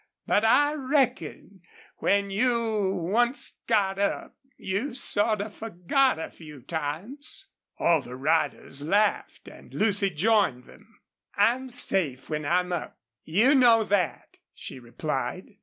But I reckon when you onct got up, you've sorta forgot a few times." All the riders laughed, and Lucy joined them. "I'm safe when I'm up, you know that," she replied.